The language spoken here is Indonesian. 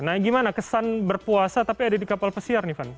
nah gimana kesan berpuasa tapi ada di kapal pesiar nih van